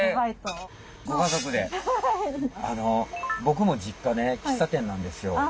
僕も実家ね喫茶店なんですよ。